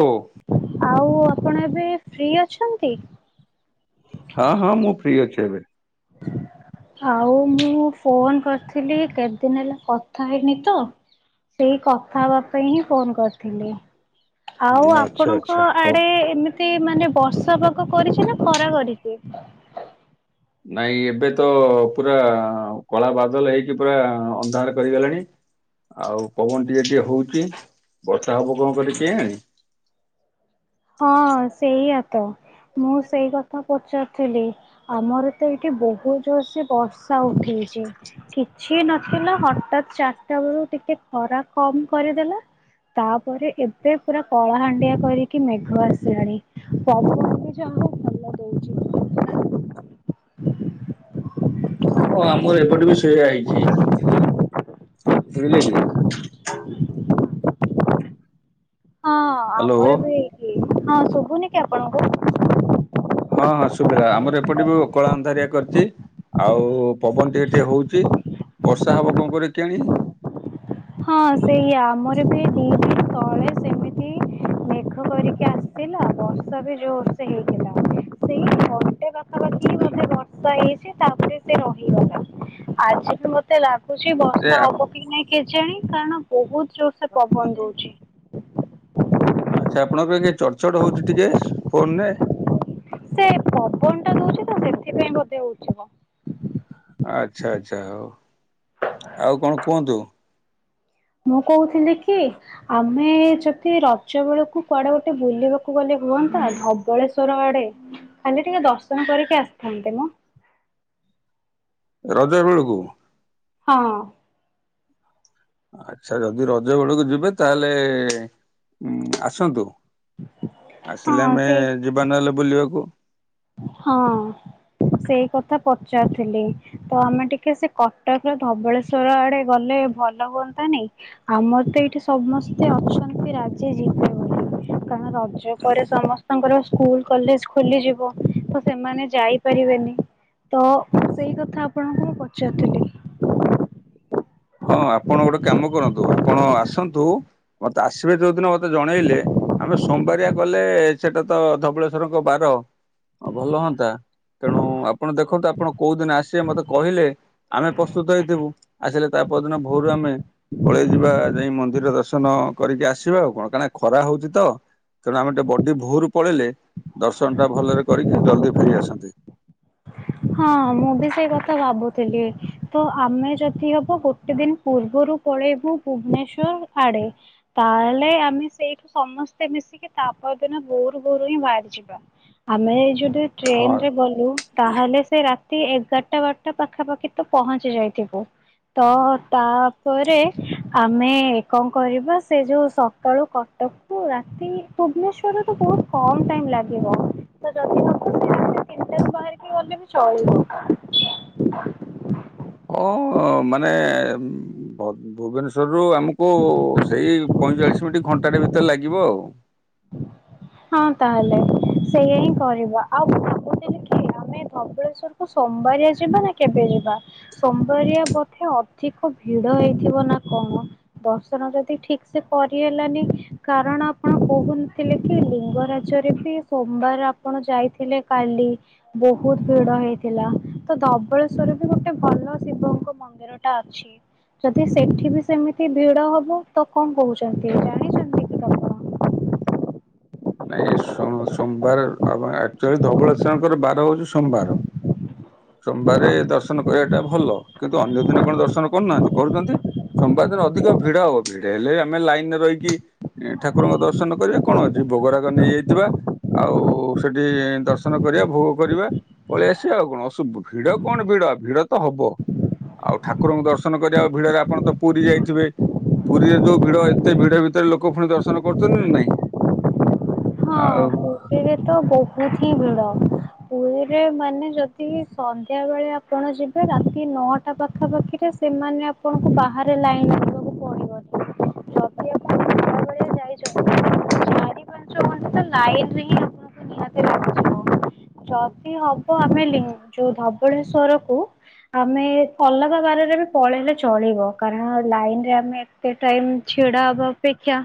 ଓ। ଆଉ ଆପଣ ଏବେ ଫ୍ରି ଅଛନ୍ତି। ହଁ ହଁ ମୁଁ ଫ୍ରି ଅଛି ଏବେ। ହ ଆଉ ମୁଁ ଫୋନ କରିଥିଲି କେତେଦିନ ହେଲା କଥା ହେଇନି ତ। ସେଇ କଥା ହେବା ପାଇଁ ହିଁ ଫୋନ କରିଥିଲି। ଆଉ ଆଚ୍ଛା ଆପଣଙ୍କ ଆଚ୍ଛା ହଉ। ଆଡେ ଏମିତି ସେ ମାନେ ବର୍ଷା ପାଗ କରିଛି ନା ଖରା କରିଛି। ନାଇଁ ଏବେ ତ ପୁରା କଳା ବାଦଲ ହେଇକି ପୁରା ଅନ୍ଧାର କରିଗଲାଣି। ଆଉ ପବନ ଟିକେ ଟିକେ ହଉଚି ବର୍ଷା ହବ କଣ କରିବ କେଇଆଣି। ହଁ ସେଇଆ ତ ମୁଁ ସେଇ କଥା ପଚାରୁଥିଲି। ଆମର ତ ଏଇଠି ବହୁତ ଜୋର ସେ ବର୍ଷା ଉଠେଇଛି। କିଛି ନଥିଲା ହଟାତ୍ ଚାରିଟା ବୋଳୁ ଟିକେ ଖରା କମ କରିଦେଲା। ତାପରେ ଏବେ ପୁରା କଳାହାଣ୍ଡିଆ କରିକି କି ମେଘ ଆସିଲାଣି ପବନ ବି ଯୋଉ ଆମର ଏଠି ଭଲ ଦଉଛି। ବର୍ଷା ଉଠେଇଲାଣି। ହଁ ଆମର ଏପଟେ ବି ସେଇଆ ହେଇଛି ବୁଝିଲେ କି। ହଁ ହ୍ୟାଲୋ ହଁ ଆମର ବି ହେଇଛିି ହଁ ଶୁଭୁନି କି ଆପଣଙ୍କୁ। ହଁ ହଁ ସୁୁବିଲା ଆମର ଏପଟେ ବି କଳା ଅନ୍ଧାରିଆ କରିଚି। ଆଉ ପବନଟି ଟିକେ ଟିକେ ହଉଛି ବର୍ଷା ହବ କଣ କେଇଆଣୀ। ହଁ ସେଇଆ ଆମର ବି ଦି ଦିନ ତଳେ ସେମିତି ମେଘ କରିକି ଆସ ଥିଲା ବର୍ଷା ବି ଜୋରସେ ହେଇଥିଲା। ସେଇ ଘନ୍ଟେ ପାଖପାଖି ବୋଧେ ବର୍ଷା ହେଇଛି ତାପରେ ସେ ରହିଗଲା ଆଜି ବି ମତେ ଲାଗୁଛି ଏ ବର୍ଷା ହବ କି ନାଇଁ କେଜାଣି। କାରଣ ବୋହୁତ ଜୋର ସେ ପବନ ଦଉଛି। ଆଚ୍ଛା ଆପଣଙ୍କର କାଇଁ ଚଡ଼ଚଡ଼ ହଉଛି ଟିକେ ଫୋନରେ। ସେ ପବନ ଟା ଦଉଛି ତ ସେଥିପାଇଁ ବୋଧେ ହଉଛିିମ। ଆଚ୍ଛା ଆଚ୍ଛା ହଉ ଆଉ କଣ କୁହନ୍ତୁ। ମୁଁ କହୁଥିଲି କି ଆମେ ଯଦି ରଜ ବେଳକୁ କୁଆଡେ ଗୋଟେ ବୁଲିବାକ୍ କୁ ଗଲେ ହୁଅନ୍ତା ଧବଳେଶ୍ଵର ଆଡେ ଖାଲି ଟିକେ ଦର୍ଶନ କରିକି ଆସିଥାନ୍ତେ ମ। ରଜ ବେଳକୁ। ହଁ ହଁ। ଆଚ୍ଛା ଯଦି ରଜ ବେଳକୁ ଯିବେ ତାହେଲେ ଉଁ ଆସନ୍ତୁ। ଆସିଲେ ହଁ ଆମେ ସେଇ ଯିବା ନହେଲେ ବୁଲିବାକୁ। ହଁ ସେଇ କଥା ପଚାରୁଥିଲି। ତ ଆମେ ଟିକେ ସେ କଟକ ର ଧବଳେଶ୍ଵର ଆଡେ ଗଲେ ଭଲ ହୁଅନ୍ତା ନି। ଆମର ତ ଏଇଠି ସମସ୍ତେ ଅଛନ୍ତି ରାଜି ଜିବେ ବୋଲି। କାରଣ ରଜ ପରେ ସମସ୍ତଙ୍କର ସ୍କୁଲ କଲେଜ ଖୋଲିଯିବ। ତ ସେମାନେ ଯାଇପାରିବେନି ତ ସେଇ କଥା ଆପଣଙ୍କୁ ମୁଁ ପଚାରୁଥିଲି। ହଁ ଆପଣ ଗୋଟେ କାମ କରନ୍ତୁ ଆପଣ ଆସନ୍ତୁ ମତେ ଆସିବେ ଯୋଉଦିନ ମତେ ଜଣେଇଲେ ଆମେ ସୋମବାରିଆ ଗଲେ ସେଟା ତ ଧବଳେଶ୍ଵରଙ୍କ ବାର ଆଉ ଭଲ ହୁଅନ୍ତା। ତେଣୁ ଆପଣ ଦେଖନ୍ତୁ ଆପଣ କୋଉ ଦିନ ଆସିବେ ମତେ କହିଲେ ଆମେ ପ୍ରସ୍ତୁତ ହେଇଥିବୁ ଆସିଲେ ତା ପରଦିନ ଭୋରୁ ଆମେ ପଳେଇ ଯିବା ଯାଇ ମନ୍ଦିର ଦର୍ଶନ କରିକି ଆସିବା ଆଉ କଣ କାରଣ ଖରା ହଉଚି ତ। ତେଣୁ ଆମେ ଟିକେ ବଡି ଭୋରୁ ପଳେଇଲେ ଦର୍ଶନଟା ଭଲରେ କରିକି ଜଲ୍ଦି ଫେରି ଆସନ୍ତେ। ହଁ ମୁଁ ବି ସେଇ କଥା ଭାବୁଥିଲି ତ ଆମେ ଯଦି ହବ ଗୋଟେ ଦିନ ପୂର୍ବରୁ ପଳେଇବୁ ଭୁବନେଶ୍ଵର ଆଡ଼େ। ତାହେଲେ ଆମେ ସେଇଠୁ ସମସ୍ତେ ମିଶିକି ତା ପରଦିନ ଭୋରୁ ଭୋରୁ ହିଁ ବାହାରି ଯିବା। ଆମେ ଯଦି ହଁ ଟ୍ରେନରେ ଗଲୁ ତାହେଲେ ସେ ରାତି ଏଗାରଟା ବାରଟା ପାଖାପାଖି ତ ପହଞ୍ଚି ଯାଇଥିବୁ। ତ ତାପରେ ଆମେ କଣ କରିବା ସେ ଯୋଉ ସକାଳୁ କଟକ କୁ ରାତି ଭୁବନେଶ୍ୱରରେ ତ ବୋହୁତ କମ ଟାଇମ ଲାଗିବ ତ ଯଦି ହବ [inaudible] ତିନଟାରୁ ବାହାରିକି ଗଲେ ବି ଚଳିବ। ଓ ମାନେ ବ ଭୁବନେଶ୍ଵର ରୁ ଆମକୁ ସେଇ ପଇଁଚାଳିଶ ମିନିଟ୍ ଘଣ୍ଟାଟେ ଭିତରେ ଲାଗିବ ଆଉ। ହଁ ତାହେଲେ ସେଇୟଆା ହିଁ କରିବା ଆଉ ମୁଁ ଭାବୁଥିଲିକି ଆମେ ଧବଳେଶ୍ଵର କୁ ସୋମବାରିଆ ଯିବା ନା କେବେ ଯିବା? ସୋମ୍ ବାରିଆ ବୋଧେ ଅଧିକ ଭିଡ଼ ହେଇଥିବ ନା କଣ। ଦର୍ଶନ ଯଦି ଠିକ୍ ସେ କରି ହେଲାନି କାରଣ ଆପଣ କହୁ ନଥିଲେ କି ଲିଙ୍ଗରାଜରେ ବି ସୋମବାର ଆପଣ ଯାଇଥିଲେ କାଲି। ବୋହୁତ ଭିଡ଼ ହେଇଥିଲା ତ ଧବଳେଶ୍ଵରବି ଗୋଟେ ଭଲ ଶିବଙ୍କ ମ ନ୍ଦିରଟା ଅଛି। ଯଦି ସେଠି ବି ସେମିତି ଭିଡ଼ ହବ ତ କଣ କହୁଚନ୍ତି ଜାଣିଚନ୍ତି? ନାଇଁ ସୋଁ ସୋମ୍ ବାର ଆବା ଆକଚୁଆଲି ଧବଳେଶ୍ୱର ଙ୍କର ବାର ହଉଚି ସୋମବାର। ସୋମ୍ ବାରେ ଦର୍ଶନ କରିବାଟା ଭଲ କିନ୍ତୁ ଅନ୍ୟ ଦିନ କଣ ଦର୍ଶନ କରୁନାହାନ୍ତି କରୁଚନ୍ତି। ସୋମବାର ଦିନ ଅଧିକ ଭିଡ଼ ହବ ଭିଡ଼େ ହେଲେ ଆମେ ଲାଇନରେ ରହିକି ଏଁ ଠାକୁରଙ୍କ ଦର୍ଶନ କରିବା କଣ ଅଛି ଭୋଗ ରାଗ ନେଇଯାଇଥିବା। ଆଉ ସେଠି ଦର୍ଶନ କରିବା ଭୋଗ କରିବା। ପଳେଇ ଆସିବା ଆଉ କଣ ଅସୁବ୍ ଭିଡ଼ କଣ ଭିଡ଼ ଭିଡ଼ ତ ହବ। ଆଉ ଠାକୁରଙ୍କୁ ଦର୍ଶନ କରିବା ଭିଡ଼ରେ ଆପଣ ତ ପୁରୀ ଯାଇଥିବେ। ପୁରୀରେ ଯୋଉ ଭିଡ଼ ଏତେ ଭିଡ଼ ଭିତରେ ଲୋକ ପୁଣି ଦର୍ଶନ କରୁଚନ୍ତି ନା ନାଇଁ? ଆଉ ଇରେ ତ ବୋହୁତ ହି ଭିଡ଼। ପୁରୀରେ ମାନେ ଯଦି ସନ୍ଧ୍ୟା ବେଳେ ଆପଣ ଯିବେ ରାତି ନଅଟା ପାଖାପାଖିରେ ସ୍ ସେମାନେ ଆପଣଙ୍କୁ ବାହାରେ ଲାଇନ୍ ଯାଇଚ [unintelligible] ଚାରି ପାଞ୍ଚ ଘଣ୍ଟା ଲାଇନ୍ ରେ ହିଁ ଆପଣଙ୍କୁ ନିହାତି ଲାଗିଯିବ। ଯଦି ହବ ଆମେ ଲିଙ୍ଗ ଯୋଉ ଧବଳେଶ୍ଵର କୁ ଆମେ ଅଲଗା ବାରରେ ବି ପଳେଇଲେ ଚଳିବ କାରଣ ଲାଇନ୍ ରେ ଆମେ ତେ ଟାଇମ୍ ଛିଡ଼ା ହବା ଅପେକ୍ଷା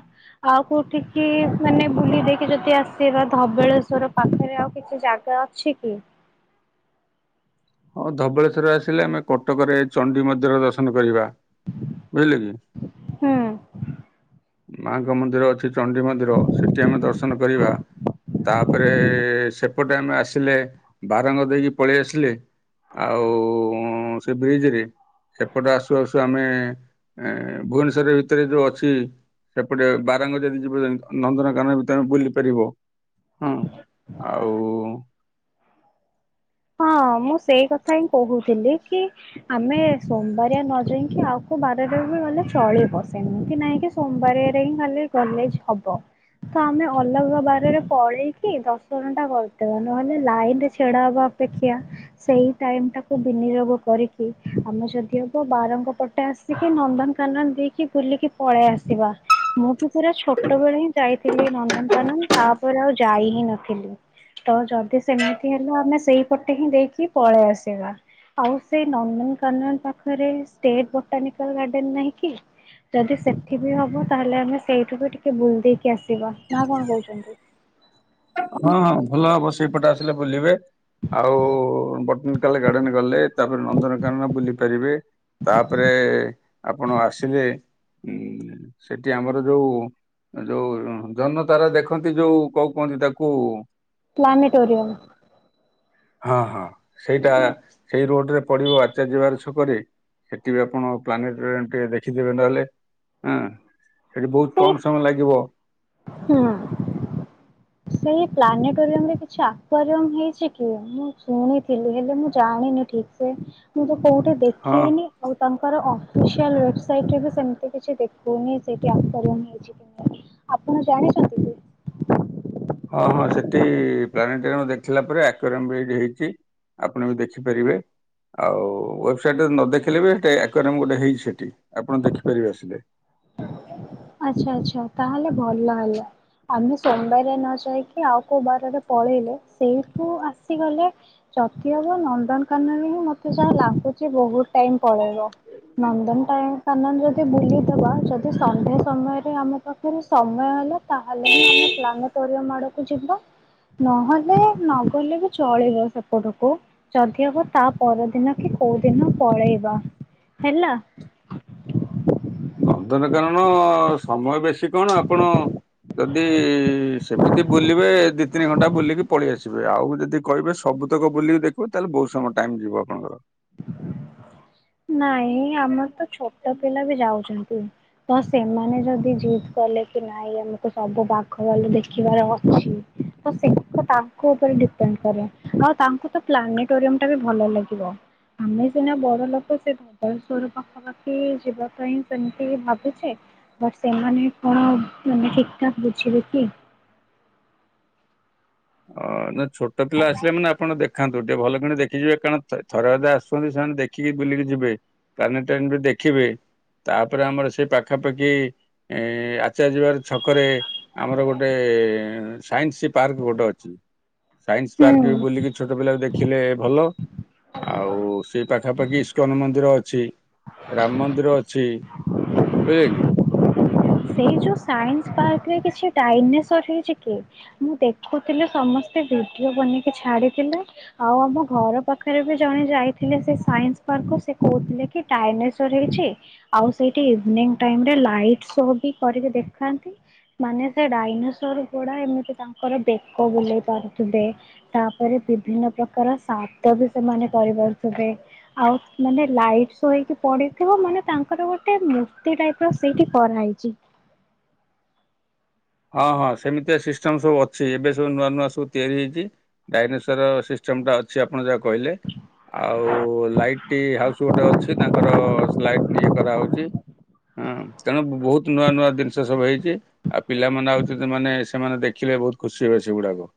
ଆଉ କୋଉଠିକି ମାନେ ବୁଲି ଦେଇକି ଯଦି ଆସିବା ଧବଳେଶ୍ଵର ପାଖରେ ଆଉ କିଛି ଜାଗା ଅ ଛିକି? ହଁ ଧବଳେଶ୍ୱର ଆସିଲେ ଆମେ କଟକରେ ଚଣ୍ଡି ମନ୍ଦିର ଦର୍ଶନ କରିବା। ବୁଝିଲେ କି ହୁଁ। ମାଙ୍କ ମନ୍ଦିର ଅଛି ଚ୍ ଚଣ୍ଡିୀ ମନ୍ଦିର ସେଠି ଆମେ ଦର୍ଶନ କରିବା ତାପରେ ସେ ପଟେ ଆମେ ଆସିଲେ ବାରଙ୍ଗ ଦେଇକି ପଳେଇ ଆସିଲେ ଆଉ ଉଁ ସେ ବ୍ରିଜି ରେ ଏପଟ ଆସୁ ଆସୁ ଆମେ ଏଁ ଭୁବନେଶ୍ଵର ଭିତରେ ଯୋଉ ଅଛି। ସେପଟେ ବାରାଙ୍ଗ ଦେଇକି ଯିବ ଯଦି ନନ୍ଦନକାନ ବି ତମେ ବୁଲି ପାରିବ। ହୁଁ ଆଉ ହଁ ମୁଁ ସେଇ କଥା ହିଁ କହୁଥିଲି କି ଆମେ ସୋମବାରିଆ ନ ଯାଇକି ଆଉ କୋଉ ବାରରେବି ଗଲେ ଚଳିବ ସେମିତି ନାଇଁ ଯେ ସୋମବାରରେ ହିଁ ଗଲେ କଲେଜ ହବ। ତ ଆମେ ଅଲଗା ବାରରେ ପଳେଇକି ଦର୍ଶନ ଟା କରିଦବା ନହେଲେ ଲାଇନରେ ଛିଡା ହବା। ଦେଖିିଆ। ସେଇ ଟାଇମ ଟାକୁ ବିନିଯୋଗ କରିକି ଆମେ ଯଦିହବ ବାରଙ୍କ ପଟେ ଆସି ଆସିକି ନନ୍ଦନକାନନ ଦେଇକି ବୁଲିକି ପଳେଇ ଆସିବା। ମୁଁ ବି ପୁରା ଛୋଟ ବେଳେ ହିଁ ଯାଇଥିଲି ନନ୍ଦନକାନନ ତାପରେ ଆଉ ଯାଇ ହିଁ ନଥିଲି। ତ ଯଦି ସେମିତି ହେଲା ଆମେ ସେଇ ପଟେ ହିଁ ଦେଇକି ପଳେଇ ଆସିବା। ଆଉ ସେ ନନ୍ଦନକାନନ ପାଖରେ ସେ ବଟାନିକାଲ ଗାର୍ଡେନ ନାହିଁ କି? ଯଦି ସେଠି ବି ହବ ତାହେଲେ ଆମେ ସେଇଠୁ ବି ଟିକେ ବୁଲ ଦେଇେଇକି ଆସିବା ନା କଣ କହୁଛନ୍ତି। ହଁ ହଁ ଭଲ ହବ ସେଇପଟେ ଆସିଲେ ବୁଲିବେ। ଆଉ ବଟାନିକାଲ ଗାର୍ଡେନ ଗଲେ ତାପରେ ନନ୍ଦନକାନନ ବୁଲି ପାରିବେ। ତାପରେ ଆପଣ ଆସିଲେ ଉ ସେଠି ଆମର ଯୋଉ ଯୋଉ ଜନ ତାରା ଦେଖନ୍ତି ଯୋଉ କୋଉ କୁହନ୍ତି ତାକୁ ପ୍ଲାନିଟୋରିୟମ୍। ହଁ ହଁ ସେଇଟା ସେଇ ରୋଡରେ ପଡିବ ଆଚାର୍ଜ ବିହାର ଛକରେ। ସେଠି ବି ଆପଣ ପ୍ଲାନିଟରିଅମ୍ ଟିକେ ଦେଖିଦେବେ ନହେଲେ ହଁ। ସେଠି ବହୁତ ସେଇ କମ ସମୟ ଲାଗିବ। ହୁଁ। ସେଇ ପ୍ଲାନେଟୋରିୟମରେ କିଛି ଏକ୍ୱାରିଅମ୍ ହେଇଛି କି ମୁଁ ଶୁଣିଥିଲି ହେଲେ ମୁଁ ଜାଣିନି ଠିକ ସେ ମୁଁ ତ କୋଉଠି ହଁ ଦେଖେଇନି। ଆଉ ତାଙ୍କର ଅଫିସିଆଲ ୱେବସାଇଟରେ ବି ସେମିତି କିଛି ଦେଖୁନି ସେଇଠି ଏକ୍ୱାରିଅମ ହେଇଚି। ଆପଣ ଜାଣିଛନ୍ତି କି? ହଁ ହଁ ସେଠି ପ୍ଲାନିଟୋରିଅମ୍ ଦେଖିଲା ପରେ ଆକ୍ୱାରିଅମ୍ ବି ହେଇଯାଇଛି। ଆପଣ ବି ଦେଖିପାରିବେ। ଆଉ ୱେବସାଇଟରେ ନ ଦେଖିଲେ ବି ସେଟ ଆୱାରମ୍ ଗୋଟେ ହେଇଛି ସେଇଠି ଆପଣ ଦେଖିପାରିବେ ଆସିଲେ। ଆଚ୍ଛା ଆଚ୍ଛା ତାହଲେ ଭଲ ହେଲା। ଖାଲି ସୋମବାରିଆ ନ ଯାଇକି ଆଉ କୋଉ ବାରରେ ପଳେଇଲେ ସେଇଠୁ ଆସିଗଲେ ଯଦି ହବ ନନ୍ଦନକାନରେ ହିଁ ମତେ ଯାହା ଲାଗୁଛି ବହୁତ ଟାଇମ ପଳେଇବ। ନନ୍ଦନ ଟଏ କାନନ ଯଦି ବୁଲିଦବା ଯଦି ସନ୍ଧ୍ୟା ସମୟରେ ଆମ ପାଖରେ ସମୟ ହେଲା ତାହେଲେ ହିଁ ଆମେ ପ୍ଲାନେଟୋରିୟମ ଆଡକୁ ଯିବା। ନହେଲେ ନଗଲେ ବି ଚଳିବ ସେପଟକୁ। ଯଦି ହବ ତା ପରଦିନ କି କୋଉ ଦିନ ପଳେଇବା ହେଲା। ନନ୍ଦନକାନନ ସମୟ ବେଶୀ କଣ ଆପଣ ଯଦି ସେମିତି ବୁଲିବେ ଦି ତିନି ଘଣ୍ଟା ବୁଲିକି ପଳେଇ ଆସିବେ ଆଉ ଯଦି କହିବେ ସବୁତକ ବୁଲିକି ଦେଖୁ ତାହେଲେ ବହୁତ ସମୟ ଟାଇମ ଯିବ ଆପଣଙ୍କର। ନାଇଁ ଆମର ତ ଛୋଟ ପିଲା ବି ଯାଉଛନ୍ତି। ତ ସେମାନେ ଯଦି ଜିଦ୍ କଲେ କି ନାଇଁ ଆମକୁ ସବୁ ବାଘ ଭାଲୁ ଦେଖିବାର ଅଛି ତ ସେଇ ତ ତାଙ୍କ ଉପରେ ଡିପେଣ୍ଡ କରେ ଆଉ ତାଙ୍କୁ ତ ପ୍ଲାନେଟୋରିୟମ ଟା ବି ଭଲ ଲାଗିବ। ଆମେ ସିନା ବଡ ଲୋକ ସେ ଭୁବନେଶ୍ୱର ପାଖାପାଖି ଯିବା ପାଇଁ ସେମିତି ଭାବିଚି। ବଟ ସେମାନେ କଣ ମାନେ ଠିକଠାକ୍ ବୁଝିବେ କି? ଅ ନା ଛୋଟ ପିଲା ଆସିଲେ ମାନେ ଆପଣ ଦେଖ ଦେଖାନ୍ତୁ ଟିକେ ଭଲ କିଣ ଦେଖିଯିବେ କାରଣ ଥରେଅଧେ ଆସୁଛନ୍ତି ସେମାନେ ଦେଖିକି ବୁଲିକି ଯିବେ। ପ୍ଲାନିଟୋରିଅମ୍ ବି ଦେଖିବେ। ତାପରେ ଆମର ସେ ପାଖାପାଖି ଆଚାର୍ୟ ବିହାର ଛକରେ ଆମର ଗୋଟେ ସାଇନ୍ସ ପାର୍କ ଗୋଟେ ଅଛି ସାଇନ୍ସ ପାର୍କ ବି ହୁଁ। ବୁଲିକି ଛୋଟ ପିଲାବି ଦେଖିଲେ ଭଲ ଆଉ ସେ ପାଖା ପାଖାପାଖି ଇସ୍କନ ମନ୍ଦିର ଅଛି ରାମ ମନ୍ଦିର ଅଛି ବୁଝିଲେ କି? ସେ ଯୋଉ ସାଇନ୍ସ ପାର୍କରେ କିଛି ଡାଇ ନେଶର ହେଇଛି କି? ମୁଁ ଦେଖୁଥିଲି ସମସ୍ତେ ଭିଡିଓ ବନେଇକି ଛାଡିଥିଲେ। ଆଉ ଆମ ଘର ପାଖରେ ବି ଜଣେ ଯାଇଥିଲେ ସେ ସାଇନ୍ସ ପାର୍କ ସେ କହୁଥିଲେ। ଡାଇନେସର୍ ହେଇଛି ଆଉ ସେଇଠି ଇଭିନିଂ ଟାଇମ ରେ ଲାଇଟ ସୋ କି କରିକି ଦେଖାନ୍ତି। ମାନେ ସେ ଡାଇନେସର ଗୁଡା ଏମିତି ତାଙ୍କର ବେକ ବୁଲେଇ ପାରୁଥିବେ। ତାପରେ ବିଭିନ୍ନ ପ୍ରକାର ଶାବ୍ଦା ବି ସେମାନେ କରିପାରୁଥିବେ। ଆଉ ମାନେ ଲାଇଟ୍ ଶୋ ହେଇକି ପଡିଥିବ ମାନେ ତାଙ୍କର ଗୋଟେ ମୂର୍ତ୍ତି ଟାଇପ ର ସେଇଠି କରାହେଇଛି। ହଁ ହଁ ସେମିତିଆ ସିଷ୍ଟମ ସବୁ ଅଛି ଏବେ ସବୁ ନୂଆ ନୂଆ ସବୁ ତିଆରି ହେଇଛି। ଡାଇନେସର ସିଷ୍ଟମ ଟା ଅଛି ଆପଣ ଯାହା କହିଲେ। ଆଉ ଲାଇଟ୍ ହାଉସ୍ ଗୋଟେ ଅଛି ତାଙ୍କର ଲାଇଟ୍ ଇଏ କରାହୋଉଛି। ହଁ ତେଣୁ ବହୁତ ନୂଆ ନୂଆ ଜିନିଷ ସବୁ ହେଇଛି। ଆଉ ପିଲାମାନେ ଆଉ ମାନେ ସେମାନେ ଦେଖିଲେ ବହୁତ ଖୁସି ହେବେ ସେଗୁଡାକ।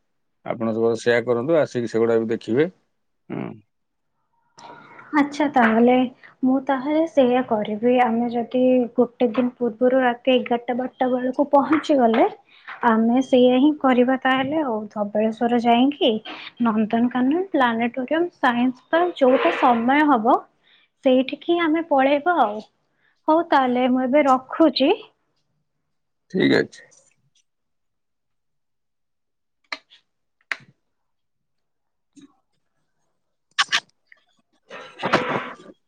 ଆପଣ ସ ସେୟା କରନ୍ତୁ ଆସିକି ସେଗୁଡା ବି ଦେଖିବେ ହଁ। ଆଚ୍ଛା ତାହେଲେ। ମୁଁ ତାହେଲେ ସେଇୟା କରିବି ଆମେ ଯଦି ଗୋଟେ ଦିନ ପୂର୍ବରୁ ରାତି ଏଗାରଟା ବାଟ ଟା ବେଳକୁ ପହଞ୍ଚି ଗଲେ। ଆମେ ସେଇଆ ହିଁ କରିବା ତାହେଲେ ଆଉ ଧବଳେଶ୍ଵର ଯାଇକି ନନ୍ଦନକାନନ, ପ୍ଲାନେଟୋରିୟମ୍, ସାଇନ୍ସ ପାର୍କ, ଯୋଉଠି ସମୟ ହବ ସେଇଠିକି ଆମେ ପଳେଇବା ଆଉ, ହଉ ତାହେଲେ ମୁଁ ଏବେ ରଖ ଖୁଛି। ଠିକ୍ ଅଛି। [unintelligible]